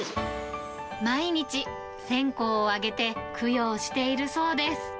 毎日、線香をあげて、供養しているそうです。